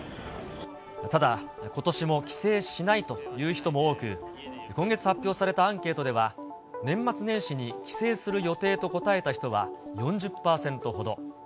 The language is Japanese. ただ、ことしも帰省しないという人も多く、今月発表されたアンケートでは、年末年始に帰省する予定と答えた人は４０％ほど。